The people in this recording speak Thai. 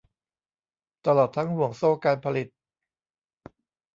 ตลอดทั้งห่วงโซ่การผลิต